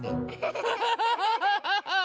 ハハハハハハ。